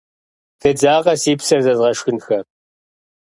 Федзакъэ, си псэр зэзгъэшхынхэ.